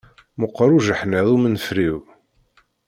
Meqqeṛ ujeḥniḍ umenferriw.